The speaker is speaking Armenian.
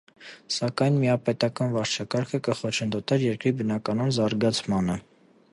Սակայն միապետական վարչակարգը կը խոչընդոտէր երկրի բնականոն զարգացման։